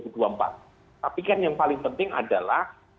tapi kan yang paling penting adalah